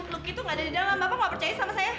lu gitu gak ada di dalam bapak gak percaya sama saya